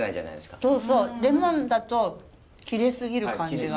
そうそうレモンだと切れ過ぎる感じが。